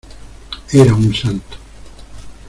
¡ era un santo!